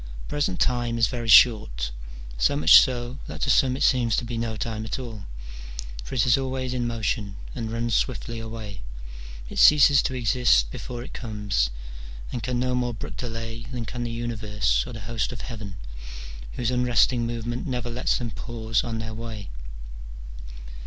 Present time is very short, so much so that to some it seems to be no time at all ; for it is always in motion, and runs swiftly away : it ceases to exist before it comes, and can no more brook delay than can the universe or the host of heaven, whose unresting movement never lets them pause on their way.